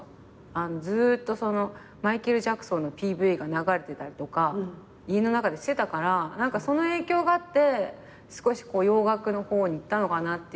ずっとマイケル・ジャクソンのＰＶが流れてたりとか家の中でしてたからその影響があって少し洋楽の方にいったのかなっていう感じはするけどね。